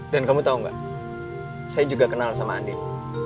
dan kamu tahu gak saya juga kenal sama andien